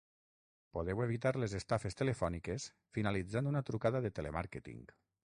Podeu evitar les estafes telefòniques finalitzant una trucada de telemàrqueting.